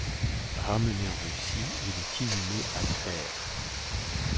Ramené en Russie, il est inhumé à Tver.